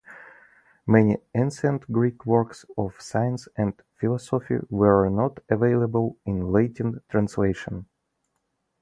Many ancient Greek works of science and philosophy were not available in Latin translation.